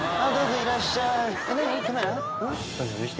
いらっしゃい。